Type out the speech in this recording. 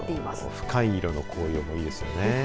深い色の紅葉もいいですよね。